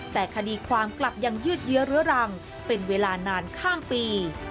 แต่คดีความกลับยังยืดเยื้อเรื้อรังเป็นเวลานานข้างปี